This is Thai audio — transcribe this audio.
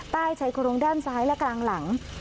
ใต้ชายโครงด้านซ้ายและกลางหลัง